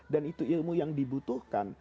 dan itu ilmu yang dibutuhkan